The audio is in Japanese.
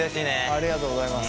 ありがとうございます。